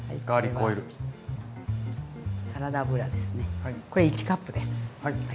これ１カップです。